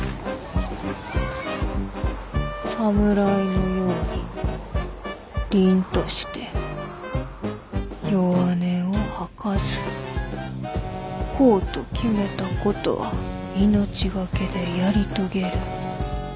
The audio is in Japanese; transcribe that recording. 侍のようにりんとして弱音を吐かずこうと決めたことは命懸けでやり遂げる。